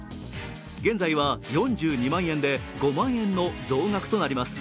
現在は４２万円で５万円の増額となります。